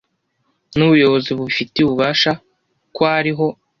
n ubuyobozi bubifitiye ububasha ko ari ho